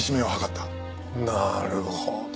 なるほど。